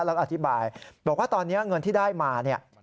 แล้วอธิบายบอกว่าตอนนี้เงินที่ได้มา